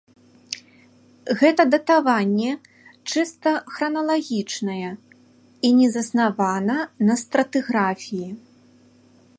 Гэта датаванне чыста храналагічнае і не заснавана на стратыграфіі.